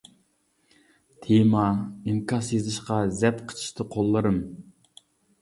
تېما، ئىنكاس يېزىشقا، زەپ قىچىشتى قوللىرىم.